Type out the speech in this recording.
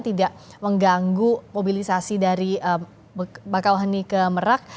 tidak mengganggu mobilisasi dari bakauheni ke merak